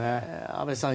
安部さん